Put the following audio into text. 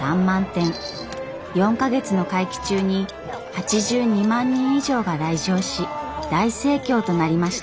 ４か月の会期中に８２万人以上が来場し大盛況となりました。